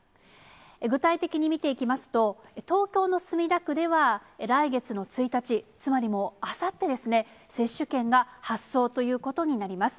具体的に見ていきますと、東京の墨田区では来月の１日、つまりもうあさってですね、接種券が発送ということになります。